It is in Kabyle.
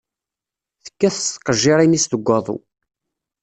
Tekkat s tqejjirin-is deg waḍu.